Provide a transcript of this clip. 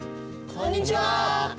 こんにちは！